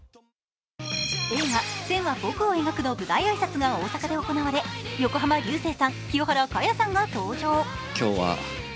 映画「線は、僕を描く」の舞台挨拶が大阪で行われ横浜流星さん、清原果耶さんが登場。